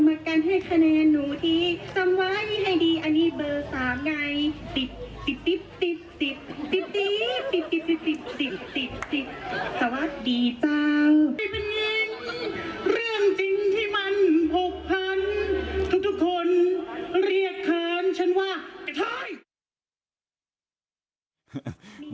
เรื่องจริงที่มันผกพันทุกคนเรียกค้านฉันว่าแกท้าย